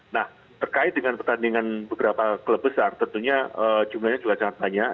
nah terkait dengan pertandingan beberapa klub besar tentunya jumlahnya juga sangat banyak